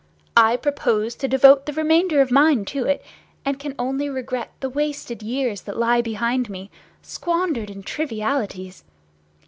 I propose to devote the remainder of mine to it, and can only regret the wasted years that lie behind me, squandered in trivialities.